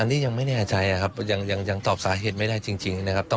อันนี้ยังไม่แน่ใจนะครับยังตอบสาเหตุไม่ได้จริงนะครับ